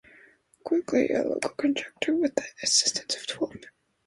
Quigley, a local contractor, with the assistance of twelve men.